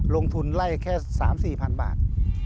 ลงทุนไล่แค่๓๔๐๐๐บาท